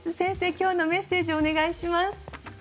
今日のメッセージをお願いします。